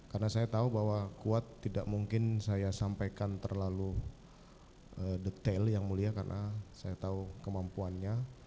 karena saya tahu bahwa kuat tidak mungkin saya sampaikan terlalu detail yang mulia karena saya tahu kemampuannya